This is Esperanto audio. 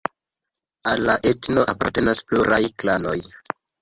Al la etno apartenas pluraj klanoj.